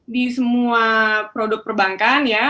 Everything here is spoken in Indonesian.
di semua produk perbankan ya